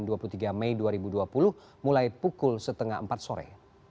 pada dua puluh dua dan dua puluh tiga mei dua ribu dua puluh mulai pukul setengah empat sore